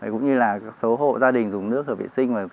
cũng như là số hộ gia đình dùng nước hợp vệ sinh